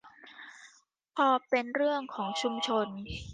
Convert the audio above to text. พอเป็นเรื่องของชุมชน